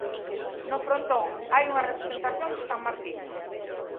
No frontón hai unha representación de San Martiño.